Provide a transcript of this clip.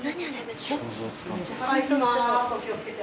お気を付けて。